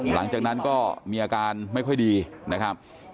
หลังจากนั้นก็มีอาการไม่ค่อยดีนะครับ